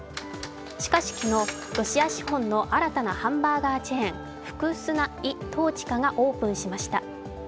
しかし昨日、ロシア資本の新たなハンバーガーチェーンフクースナ・イ・トーチカがオープンしました。